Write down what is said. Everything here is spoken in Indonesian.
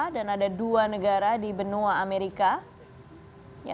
dan ada dua negara di benua amerika